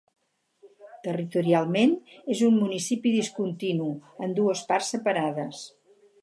Territorialment, és un municipi discontinu, en dues parts separades.